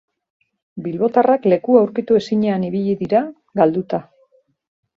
Bilbotarrak lekua aurkitu ezinean ibili dira, galduta.